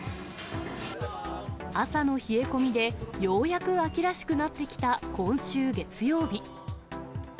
朝の冷え込みで、ようやく秋らしくなってきた今週月曜日。